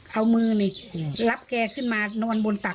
เอามือนี่รับแกขึ้นมานอนบนตัก